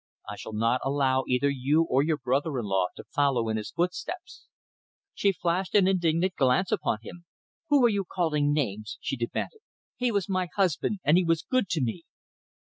I shall not allow either you or your brother in law to follow in his footsteps!" She flashed an indignant glance upon him. "Who are you calling names?" she demanded. "He was my husband and he was good to me!"